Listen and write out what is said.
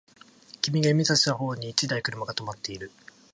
君が指差した方に一台車が止まっている